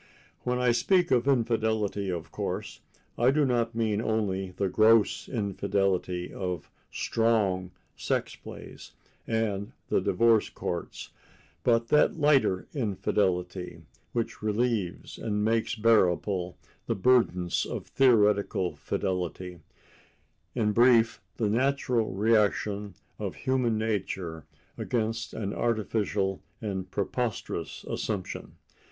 When I speak of infidelity, of course, I do not mean only the gross infidelity of "strong" sex plays and the divorce courts, but that lighter infidelity which relieves and makes bearable the burdens of theoretical fidelity—in brief, the natural reaction of human nature against an artificial and preposterous assumption.